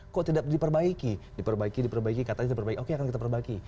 kok tidak diperbaiki diperbaiki diperbaiki katanya diperbaiki oke akan kita perbaiki